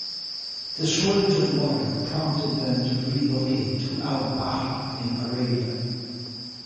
The shortage of water prompted them to relocate to Al Baha in Arabia.